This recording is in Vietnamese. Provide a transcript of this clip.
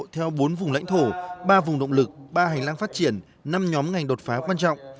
theo bốn vùng lãnh thổ ba vùng động lực ba hành lang phát triển năm nhóm ngành đột phá quan trọng